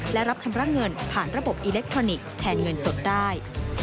และรับชำระเงินผ่านระบบอิเล็กทรอนิกส์แทนเงินสดได้